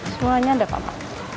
semuanya udah papa